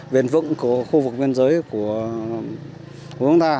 bền vững của khu vực biên giới của chúng ta